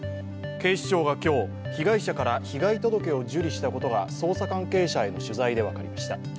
警視庁が今日、被害者から被害届を受理したことが捜査関係者への取材で分かりました。